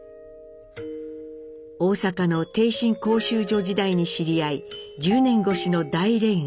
大阪の逓信講習所時代に知り合い１０年越しの大恋愛。